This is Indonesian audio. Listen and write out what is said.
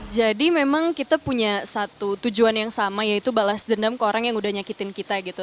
jadi memang kita punya satu tujuan yang sama yaitu balas dendam ke orang yang udah nyakitin kita gitu